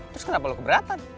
terus kenapa lo keberatan